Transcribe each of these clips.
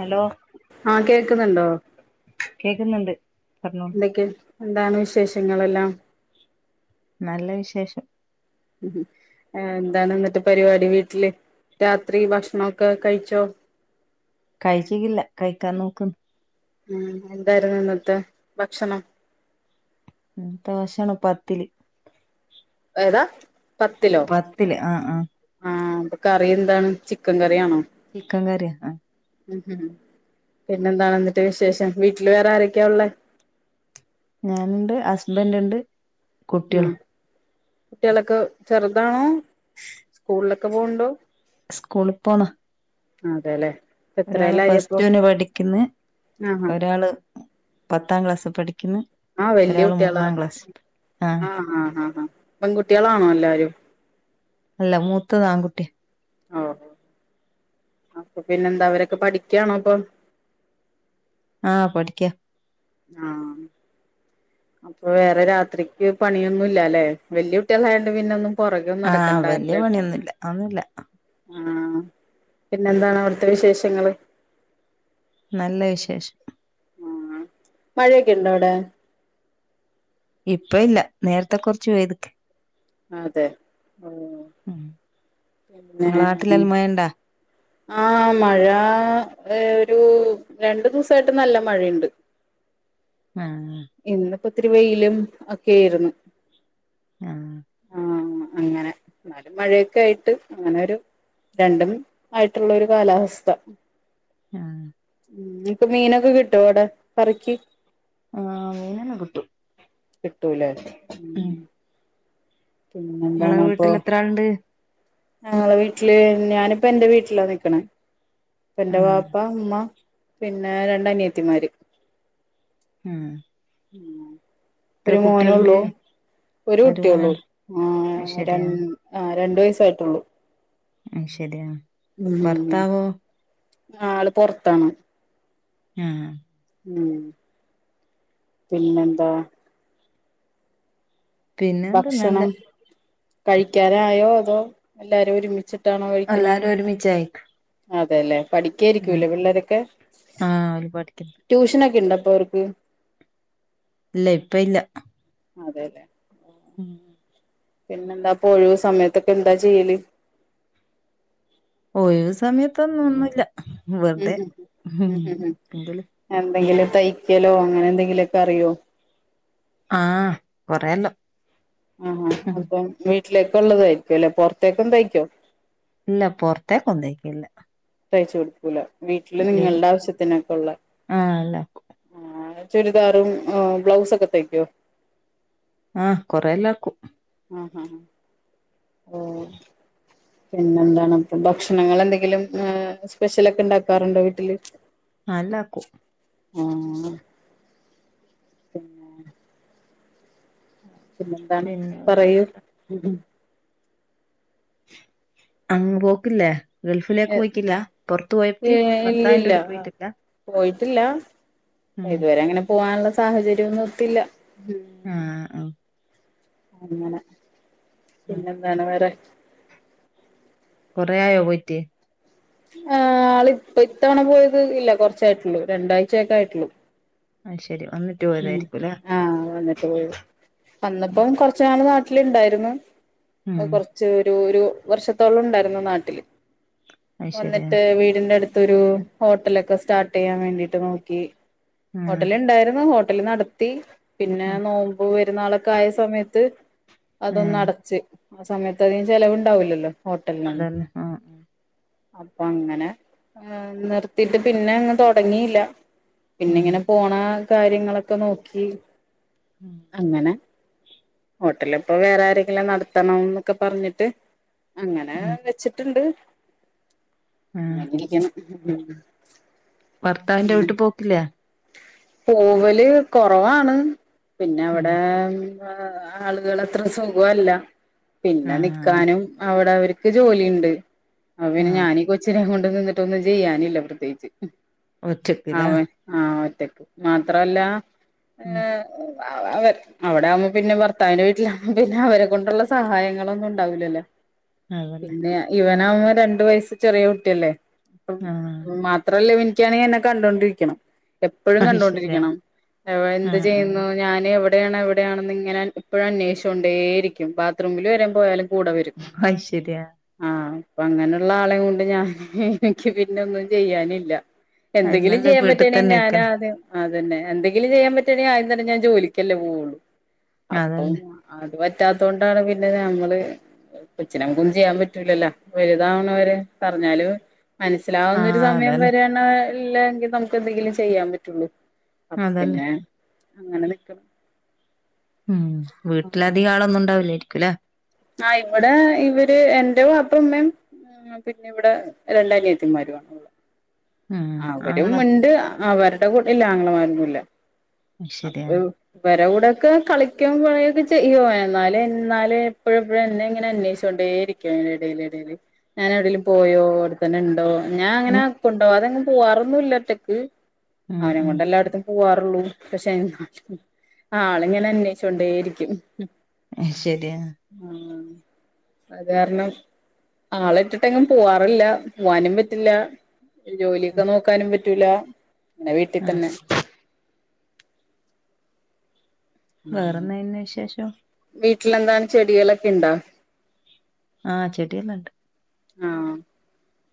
Hello ആ കേക്കുന്നുണ്ടോ കേക്കുന്നുണ്ട് പറഞ്ഞോളൂ എന്തൊക്കെ എന്താണ് വിശേഷങ്ങളെല്ലാം നല്ല വിശേഷം ഉ എന്താണ് എന്നിട്ട് പരിപാടി വീട്ടില് രാത്രി ഭക്ഷണൊക്കെ കഴിച്ചോ കഴിച്ചിക്കില്ല കഴിക്കാൻ നോക്കുന്നു ഉ എന്തായിരുന്നു ഇന്നത്തെ ഭക്ഷണം ഇന്നത്തെ ഭഷണം പത്തില് ഏതാ പത്തിലോ പത്തില് ആ ആ ആഹ് കറി എന്താണ് ചിക്കൻ കറി ആണോ ചിക്കൻ കറിയ അ ഉം പിന്നെന്താണ എന്നിട്ട് വിശേഷം വീട്ടില് വേറെ ആരൊക്കെയാ ഉള്ളേ ഞാനുണ്ട് ഹസ്ബൻറ് ഉണ്ട് കുട്ടികൾ ആഹ് കുട്ടികളൊക്കെ ചെറുതാണോ സ്കൂളിലൊക്കെ പോവുണ്ടോ സ്കൂളി പോന്ന അതെല്ലേ ഒരാള് എത്രേലായി പ്ലസ് അപ്പൊ ടുന് പഠിക്കുന്ന് ആഹ് ആഹ് ഒരാള് പത്താം ക്ലാസ് പഠിക്കുന്ന് ആഹ് വല്യായ ഒരാള് കുട്ടികളാണ് മൂന്നാം ക്ലാസ് ആഹ് ആഹഹ് പെൺകുട്ടികളാണോ എല്ലാവരും അല്ല മൂത്തത് ആൺകുട്ടി ഓ അപ്പൊ പിന്നെന്താ അവരൊക്കെ പഠിക്കയാണോ അപ്പൊ ആഹ് പഠിക്ക ആഹ് അപ്പൊ വേറെ രാത്രിക്ക് പണിയൊന്നുംല്ലല്ലെ വല്യ കുട്ടികളായോണ്ട് പിന്നൊന്നും പുറകെ ഒന്നും ആഹ് നടക്കണ്ടാ വല്യ അരെടേം പണിയൊന്നുല്ല അതൊന്നുല്ല ആഹ് പിന്നെന്താണ് അവിടുത്തെ വിശേഷങ്ങള് നല്ല വിശേഷം ആ മഴയൊക്കെണ്ടോ അവിടെ ഇപ്പൊ ഇല്ല നേരത്തെ കുറച്ച് പെയ്ത് അതെ ഓ ഉം പിന്നേ ഇങ്ങളെ നാട്ടിലെല്ലാം മഴ ഇണ്ടാ ആ മഴ ഏഹ് ഒരു രണ്ടു ദിവസായിട്ട് നല്ല മഴയുണ്ട് [inaudible] ആഹ് ഇപ്പൊ ഇത്തിരി വെയിലും ഒക്കെയായിരുന്നു ആഹ് അങ്ങനെ എന്നാലും മഴയൊക്കെ ആയിട്ട് അങ്ങനെരു രണ്ടും ആയിട്ടുള്ള ഒരു കാലാവസ്ഥ ആഹ് ഉം ഇങ്ങക്ക് മീനൊക്കെ കിട്ടോ അവിടെ [unintelligible] ആഹ് മീനൊന്നും കിട്ടും കിട്ടൂല്ലേ ഉം പിന്നെ നിങ്ങളെ എന്താണ് അപ്പൊ വീട്ടിൽ എത്ര ആളുണ്ട് ഞങ്ങളെ വീട്ടില് ഞാനിപ്പൊ എന്റെ വീട്ടിലാ നിക്കണ്. ഇപ്പ എന്റെ ആഹ് വാപ്പ ഇമ്മ പിന്നെ രണ്ട് അനിയത്തിമാര് ഉം ഒരു മോനൊള്ളൂ ഒരു കുട്ടിയുള്ളൂ അത് ആഹ് ശരിയാ രണ്ട് രണ്ട് വയസായിട്ടുള്ളൂ ഉം ശരിയാ ഉം ഭർത്താവോ ആള് പൊറത്താണ് ആ ഉം പിന്നെന്താ പിന്നെന്ത് നല്ല ഭക്ഷണം കഴിക്കാനായോ അതോ എല്ലാരും ഒരുമിച്ചിട്ട് എല്ലാരും ഒരുമിച്ചാ അതെല്ലേ പഠിക്കായിരിക്കൂല്ലേ പിള്ളേരൊക്കെ ആഹ് ഓല് പഠിക്കുന്നു ട്യൂഷനൊക്കെ ഇണ്ടപ്പൊ അവർക്ക് ഇല്ല ഇപ്പൊ ഇല്ല അതെ ല്ലെ ഉം പിന്നെന്താപ്പൊ ഒഴിവ് സമയത്തൊക്കെ എന്താ ചെയ്യല് ഒഴിവ് സമയത്തൊന്നും ഒന്നുല്ല ഉം വെറുതെ ഉം ഉം എങ്കില് എന്തെങ്കിലും തയ്ക്കലോ അങ്ങനെ എന്തെങ്കിലുമൊക്കെ അറിയോ ആഹ് കൊറേ എല്ലാം ആഹാ അപ്പം വീട്ടിലേക്ക്‌ ഉള്ളതായിരിക്കും അല്ലേ പൊറത്തേക്കും തയ്ക്കോ ഇല്ല പൊറത്തേക്കൊന്നും തയ്ക്കലില്ല തയ്ച്ച് കൊടുക്കൂല വീട്ടില് നിങ്ങളുടെ ആവശ്യത്തിനൊക്കെ ഉള്ളെ ആഹ് എല്ലാക്കും ചുരിദാറും ബ്ലൗസും ഒക്കെ തയ്ക്കോ ആഹ് കൊറെ എല്ലാം ആക്കും ആ ആ ഓ പിന്നെന്താണ് ഭക്ഷണങ്ങൾ എന്തെങ്കിലും ആ സ്പെഷ്യലൊക്കെ ഉണ്ടാക്കാറുണ്ടോ വീട്ടില് ആഹ് എല്ലാക്കും ആ പിന്നെ പിന്നെന്താണ് പിന്നെ വേറെ പറയൂ അങ്ങ് പോക്കില്ലേ ഗൾഫിലേക്ക് പോയിക്കില്ല പുറത്തു പോയത്തി ഭർത്താവിന്റെ കൂടെ പോയിട്ടില്ല പോയ്‌ട്ടില്ല ഉം ഇതുവരെ അങ്ങനെ പോകാനുള്ള സാഹചര്യമൊന്നും ഒത്തില്ല ആ ഓ അങ്ങനെ ഉം പിന്നെന്താണ് വേറെ കൊറേ ആയോ പോയിറ്റ് ആഹ് ആളിപ്പഇത്തവണ പോയത് ഇല്ല കൊറച്ചായിട്ടുള്ളു രണ്ടാഴ്ചയൊക്കെ ആയിട്ടുള്ളു അത് ശരി വന്നിട്ട് ഉം പോയതായിരിക്കുംല്ലേ ആ വന്നിട്ട് പോയത് വന്നപ്പോം കൊറച്ചുനാള് നാട്ടില് ഇണ്ടായിരുന്നു അത് ഉം കൊറച്ച് ഒരു ഒരു വർഷത്തോളം ഉണ്ടായിരുന്നു നാട്ടില് അത് ശരി ആഹ് വന്നിട്ട് വീടിന്റെ അടുത്തൊരു ഹോട്ടലൊക്കെ സ്റ്റാർട്ട് ചെയ്യാൻ വേണ്ടിട്ട് നോക്കി ഹോട്ടൽ ഇണ്ടായിരുന്നു ഹോട്ടല് നടത്തി പിന്നെ ആഹ് നോമ്പ് പെരുന്നാളൊക്കെ ആയ സമയത്ത് അതൊന്ന് ആഹ് അടച്ച് ആ സമയത്ത് അധികം ചെലവുണ്ടാവില്ലല്ലോ അത് തന്നെ ആ അപ്പൊ അങ്ങനെ നിർത്തിട്ട് പിന്നെ അങ്ങ് തൊടങ്ങിയില്ല പിന്നെ ഉം ഇങ്ങനെ പോണ കാര്യങ്ങളൊക്കെ നോക്കി അങ്ങനെ- ഹോട്ടൽ ഇപ്പൊ വേറെ ആരെങ്കിലും നടത്തണംന്നൊക്കെ പറഞ്ഞിട്ട് അങ്ങനെ ഉം വെച്ചിട്ടുണ്ട് ആഹ് അങ്ങനെ ഇരിക്കണ് ഭർത്താവിന്റെ വീട്ടി പോക്കില്ലേ പോവല് കൊറവാണ് പിന്നെ ഉം അവിടെ- ആളുകള് അത്ര സുഖല്ല പിന്നെ ആഹ് നിക്കാനും അവിടെ ഒര എനിക്ക് ജോലി ഇണ്ട് അപ്പൊ പിന്നെ ആഹ് ഞാനീ കൊച്ചിനെ കൊണ്ട് നിന്നിട്ടൊന്നും ചെയ്യാനില്ല പ്രത്യേകിച്ച്- ഒറ്റക്ക്ല്ലേ അവൻ ആ ഒറ്റക്ക് മാത്രവല്ല- ഉം [unintelligible] അവിടെ ആവുമ്പോ- പിന്നെ ഭർത്താവിന്റെ വീട്ടിലാവുമ്പോ പിന്നെ അവരെ കൊണ്ടുള്ള സഹായങ്ങളൊന്നും ഉണ്ടാവില്ലല്ലോ അതന്നെ പിന്നെ ഇവന് ആവുമ്പൊ രണ്ടു വയസ് ചെറിയ കുട്ടിയല്ലേ അപ്പം ആഹ് മാത്രവല്ല ഇവനിക്കാണെങ്കിൽ എന്നെ കണ്ടൊണ്ടിരിക്കണം എപ്പോഴും അത് ശരിയാ കണ്ടുകൊണ്ടിരിക്കണം എന്ത് ആഹ് ആഹ് ചെയ്യുന്നു ഞാന് എവിടെയാണ് എവിടെയാണെന്നി- ഇങ്ങനെ എപ്പോഴും അന്വേഷി കൊണ്ടേ ഇരിക്കും ബാത്റൂമിൽ വരേം പോയാലും കൂടെ വരും അത് ശരിയാ ആ അപ്പ അങ്ങനെയുള്ള ആളേം കൊണ്ട് ഞാൻ എനിക്ക് പിന്നൊന്നും ചെയ്യാനില്ല അത് എന്തെങ്കിലും നല്ല ചെയ്യാൻ വീട്ടിൽ പറ്റുവാണെങ്കിൽ തന്നെ ഞാന് നിക്കലാ ആദ്യം- അത് തന്നെ എന്തെങ്കിലും ചെയ്യാൻ പറ്റാണെങ്കിൽ ആദ്യം തന്നെ ഞാൻ ജോലിക്കല്ലേ പോവുള്ളു അപ്പം- അതന്നെ പറ്റാത്തതൊണ്ടാണ് പിന്നെ നമ്മള്- കൊച്ചിനെ നമുക്കൊന്നും ചെയ്യാൻ പറ്റൂലല്ലോ വലുതാവണെ വരെ പറഞ്ഞാലും മനസ്സിലാവുന്ന ഒരു ആഹ് സമയം അതന്നെ വരെയാണ് ഇല്ലെയെങ്കിൽ നമുക്ക് എന്തെങ്കിലും ചെയ്യാൻ പറ്റുള്ളൂ അപ്പൊ അതന്നെ പിന്നെ അങ്ങനെ നിക്കണം ഉം വീട്ടിലധികം ആളൊന്നും ഉണ്ടാവില്ലായിരിക്കും ഇല്ലേ ആ ഇവിടെ ഇവര് എന്റെ വാപ്പയും ഉമ്മയും- പിന്നെ ഇവിടെ രണ്ടനിയത്തിമാരും ആണുള്ളെ ഉം അവരും ആങ്ങള ഉണ്ട് അവരുടെ കൂടെ ഇല്ല ആങ്ങളമാരൊന്നുല്ല ശരിയാ അപ്പോ ഇവരെ കൂടെക്കെ കളിക്കേം പറയോക്കെ ചെയ്യും അവൻ എന്നാല് എന്നാല് എപ്പഴും എപ്പഴും എന്നെ ഇങ്ങനെ അന്വേഷിച്ചു കൊണ്ടേ ഇരിക്കും എടെല് എടെല് ഞാന് എവിടേലും പോയോ അവിടെത്തന്നെ ഇണ്ടോ ഞാൻ അങ്ങനെ ഉം കൊണ്ടുപോവാതെ എങ്ങും പോവാറൊന്നുവില്ല ഒറ്റക്ക് ഉം അവനെ ഉം കൊണ്ട് എല്ലായിടത്തും- പോവാറുള്ളൂ പക്ഷെ ആള് ഇങ്ങനെ അന്വേഷിച്ച് കൊണ്ടേരിക്കും ആ [unintelligible] ആ അത് കാരണം ആളെ ഇട്ടിട്ടെങ്ങും പോവാറില്ല പോവാനും പറ്റില്ല ജോലിയൊക്കെ നോക്കാനും പറ്റൂല ഇങ്ങനെ വീട്ടിൽ ആ തന്നെ- വേറെന്ന പിന്നെ വിശേഷം വീട്ടിലെന്താണ് ചെടികളൊക്കെ ഇണ്ടാ ആഹ് ചെടിയെല്ലാം ഉണ്ട് ആഹ്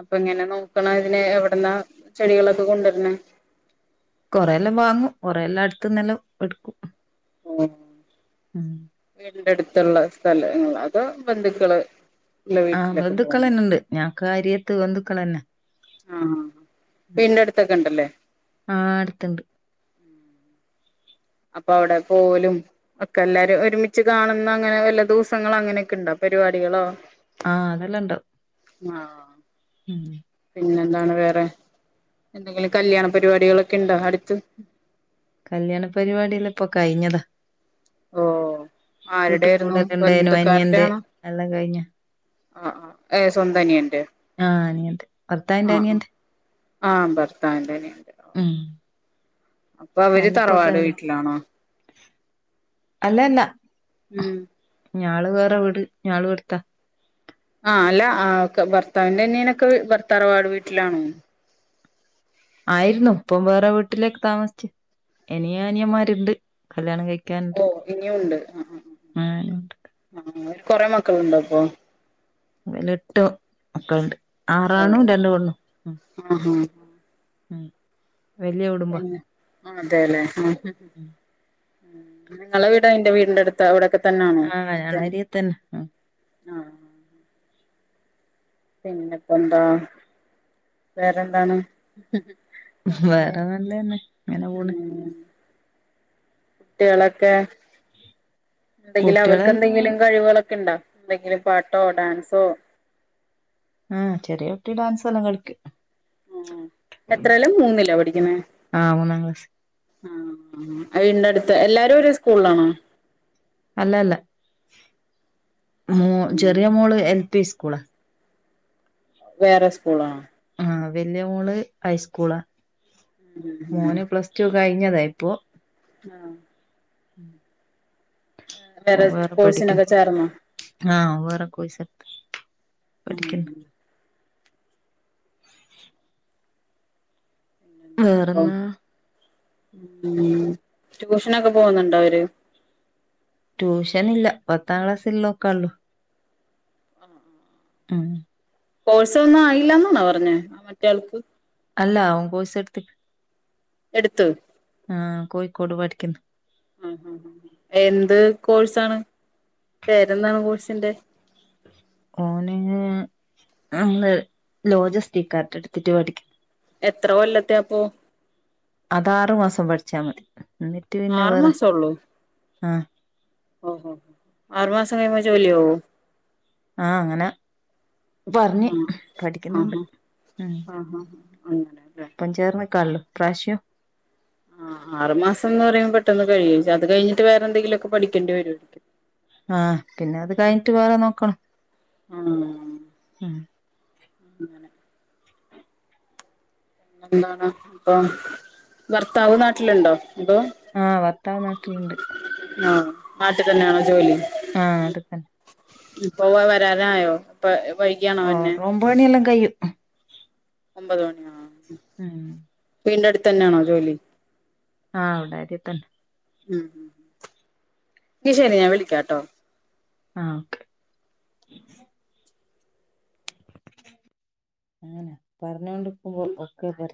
അപ്പൊ എങ്ങനെ നോക്കണം ഇതിനെ എവിടന്നാ ചെടികളൊക്കെ കൊണ്ടുവരണ കൊറെ എല്ലാം വാങ്ങൂ കൊറെല്ലാം അടുത്ത്ന്നല്ലാം എടുക്കും ആഹ് ഉം എന്റെ അടുത്തുള്ള സ്ഥലങ്ങ അതോ ബന്ധുക്കള് ഉള്ള ആഹ് വീട്ടിലൊക്കെ ബന്ധുക്കൾ പോകുമ്പോ തന്നെണ്ട് ഞങ്ങക്ക് അരിയത്ത് ബന്ധുക്കൾ തന്നെ ആഹ് വീടിന്റെ അടുത്തൊക്കെ ഉണ്ടല്ലേ ആ അടുത്തണ്ട് അപ്പൊ അവിടെ പോലും ഒക്കെ എല്ലാരും ഒരുമിച്ച് കാണുന്ന അങ്ങനെ വല്ല ദിവസങ്ങള അങ്ങനെയൊക്കെ ഉണ്ട അ പരിപാടികളോ ആ അതെല്ലാം ഉണ്ടാവും ആഹ് ഉം പിന്നെ എന്താണ് വേറെ എന്തെങ്കിലും കല്യാണ പരിപാടികളൊക്കെ ഇണ്ടോ അടുത്ത് കല്യാണ പരിപാടില്ല ഇപ്പൊ കഴിഞ്ഞതാ ഓ ആരുടെ വീട്ടിൽ ആായിരുന്നു കൂടലുണ്ടായിനു ബന്ധക്കാരുടെ അനിയന്റെ ആണോ എല്ലാം കഴിഞ്ഞ ആ ആ് ഏ സ്വന്തനിയ ഉണ്ട് ആ അനിയന്റെ ഭർത്താവിന്റെ ആഹ് അനിയന്റെ ആഹ് ആ ഭർത്താന്റെനിയന്റെ ഉം അപ്പൊ അവര് തറവാട് വീട്ടിലാണോ അല്ലന്നാ ഉം ഞള് വേറെ വിട് ഞള് എടുത്താ ആഹ് അല്ല ആ ഭർത്താവിന്റെറെനീനൊക്കെ ഭർത്താറവാട് വീട്ടിലാണ ആയിരുന്നു ഇപ്പം വേറെ വീട്ടിലൊക്കെ താമസിച്ചു എനിയ അനിയന്മാരുണ്ട് കല്യാണം കഴ ഓ ഇനിയ ഉണ്ട് ഞാനുണ്ട് ആ ആ കൊറെക്ക മക്കളുണ്ടോപ്പോ അെ എട്ട് മക്കളുണ്ട് ഓ ആറാണോ ആഹ് രണ്ടണു ആഹ് പിന്നെ അതെല്ലെ ആ നിങ്ങളെ വീട അന്റെ വീടിന്റെ അടുത്ത് അവിടൊക്കെ തന്നെയാണോ ആഹ ഞാൻ അടുത്തന്നെ അരിയത്തന്നെ ആഹ് പിന്നെപ്പോ എന്താ വേറെന്താണ് വേറെ നല്ലന്നെ ഇങ്ങനെ പോണ് ഉം കുട്ടികളൊക്കെ എന്തെങ്കിലും കുട്ടികളെല്ലാം അവർക്കെന്തെങ്കിലും കഴിവുകളൊക്കെ ഉണ്ടോ എന്തെങ്കിലും പാട്ടോ ഡാൻസോ ആഹ് ചെറിയൊട്ടി ഡാൻസ് എല്ലാം കളിക്കും ആ എത്രല്ലോ മൂന്നിലോ പഠിക്കുന്ന ആഹ് മൂന്നാം ക്ലാസ് ആ അീന്റെ അടുത്ത് എല്ലാരും ഒ ഒരു സ്കൂളിലാണോ അല്ല അല്ല മോ ഉം ചെറിയ മോള് എൽ പി സ്കൂള് വേറെ സ്കൂളാ ആഹ് വല്യ മോള് ഹൈസ്കൂളാ ഉം ഉം മോന് പ്ലസ് ടു കഴിഞ്ഞതാ ഇപ്പൊ ആഹ് ഉം വേറെ കോഴ്സിനൊക്കെ ചേർന്നോ പഠിക്കുന്നു ആഹേറെ കോയി ഉം [unintelligible] വേറെന്നാ ഉം ട്യൂഷനൊക്കെ പോകുന്നുണ്ടോ അവര് ട്യൂഷൻ ഇല്ല പത്താം ക്ലാസ്ള്ളോക്കാള്ളു ആഹ് കോഴ്സ ഒന്നും ആയില്ലന്നണാ പറഞ്ഞേ ആ മറ്റേയാൾക്ക് അല്ല അവൻ കോസ എടുത്ത് എടുത്ത് ആ കോഴിക്കോട് പഠിക്കുന്നു എന്ത് കോഴ്സാണ് പേരെന്താണ് കോഴ്സിന്റെ ഓന അ ലോജസ്ത്രക്കാർടെ എടുത്തിട്ട് പഠിക്കണം എത്ര കൊല്ലത്തെയപ്പൊ അതാറു മാസം പഠിച്ചാ മതി എന്നിട്ട് പിന്നെ ആറു വേറെ ആഹ ഓ ആറു മാസം കഴിയുമ്പോ ജോലിയാോ ആഹ അങ്ങനെ പറഞ്ഞു ആഹ് പഠിക്കുന്നുണ്ട് ആഹാ ഉ ആഹാ അങ്ങനെല്ലേ ഇപ്പം ചേർന്ന് കല് പ്രശ്യ ആ ആറ് മാസം എന്ന് പറയുമ്പോ പെട്ടെന്ന് കഴിയ അത് കഴിഞ്ഞിട്ട് വേറെ എന്തെങ്കിലുമൊക്കെ പഠിക്കേണ്ടി വരുപടിക്കും ആഹ പിന്നെ അത് കഴിഞ്ഞിട്ട് വേറെ നോക്കണം ഉ ഉ എന്താണ് അപ്പൊ ഭർത്താവ് നാട്ടിലുണ്ടോ അപ്പൊ ആഹ വത്താവ് നാട്ടിലുണ്ട് ആഹ നാട്ടിൽ തന്നെയാണോ ജോലി ആഹ അതൊക്കന്നെ പോവ വരാരായോ അപ്പ ആഓ രമ്പ പണിയെല്ലാം കഴു ഒമ്പത് മണിഓ മം തന്നെയാണോ ജോലി ആ ഉണ്ടായിരി തന്നെ ഉം നീ ശരി ഞാൻ വിളിക്കാംട്ടോ ആഹ ഓക്കെ അങ്ങനെ പറഞ്ഞൊണ്ടിരിക്കുമ്പോൾ ഒക്കെ പറ